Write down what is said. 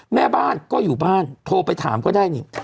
แม่บ้านก็อยู่บ้านโทรไปถามก็ได้นี่